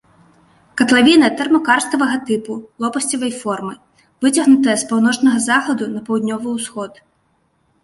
Катлавіна тэрмакарставага тыпу, лопасцевай формы, выцягнутая з паўночнага захаду на паўднёвы ўсход.